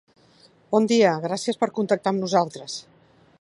Bon dia, gràcies per contactar amb nosaltres.